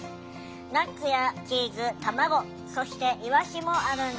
ナッツやチーズ卵そしてイワシもあるんです。